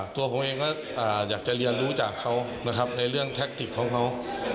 ตัวผมเองก็อยากจะเรียนรู้จากเขานะครับในเรื่องแท็กติกของเขา